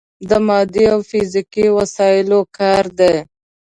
د مادي او فزیکي وسايلو کار دی.